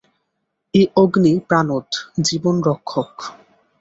এই অগ্নি প্রাণদ, জীবনরক্ষক।